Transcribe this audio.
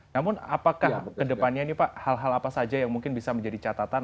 namun apakah kedepannya ini pak hal hal apa saja yang mungkin bisa menjadi catatan